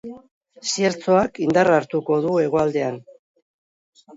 Ziertzoak indarra hartuko du hegoaldean.